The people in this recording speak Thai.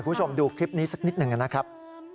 คุณผู้ชมดูคลิปนี้สักนิดหนึ่งนะครับ